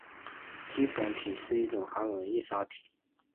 基本体是一种韩文印刷体。